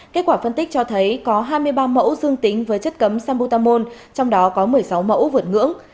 kết quả phân tích cho thấy có hai mươi ba mẫu dương tính với chất cấm sambotamol trong đó có một mươi sáu mẫu vượt ngưỡng